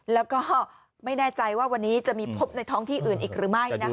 แล้วก็ไม่แน่ใจว่าวันนี้จะมีพบในท้องที่อื่นอีกหรือไม่นะคะ